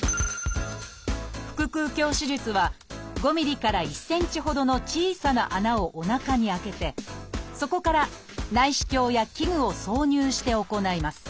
「腹くう鏡手術」は５ｍｍから１ｃｍほどの小さな穴をおなかに開けてそこから内視鏡や器具を挿入して行います。